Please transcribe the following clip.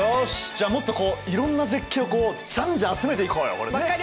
じゃあもっとこういろんな絶景をこうじゃんじゃん集めていこうよ！分かりました！